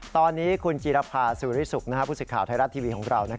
ตอนนี้คุณจีรภาสุริสุขผู้สิทธิ์ไทยรัฐทีวีของเรา